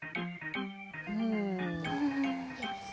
うん。